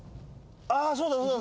ああそうだそうだ。